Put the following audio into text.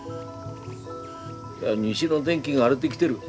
いや西の天気が荒れできてる。